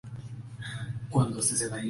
Terminan por pasar la noche juntos sin sexo.